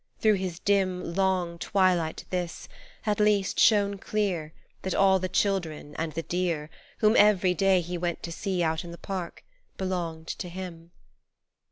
Through his dim Long twilight this, at least, shone clear, That all the children and the deer, Whom every day he went to see Out in the park, belonged to him.